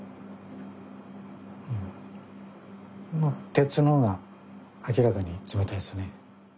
鉄の方が明らかに冷たいですね。